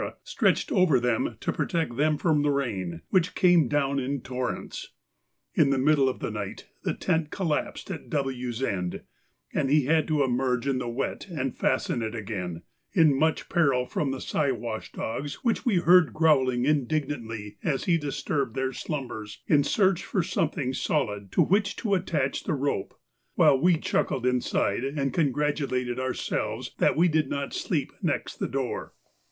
stretched over them to protect them from the rain, which came down in torrents. In the middle of the night the tent collapsed at W.'s end, and he had to emerge in the wet and fasten it again, in much peril from the Siwash dogs which we heard growling indignantly as he disturbed their slumbers in the search for something solid to which to attach the rope, while we chuckled inside and congratulated ourselves that we did not sleep next the door.